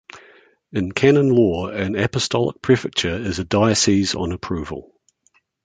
In canon law an apostolic prefecture is a diocese on approval.